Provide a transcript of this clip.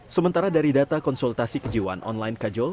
sementara dari data konsultasi kejiwaan online kajol